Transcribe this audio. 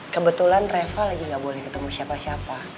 kebetulan reva lagi gak boleh ketemu siapa siapa